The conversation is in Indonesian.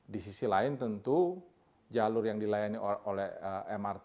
di sisi lain tentu jalur yang dilayani oleh mrt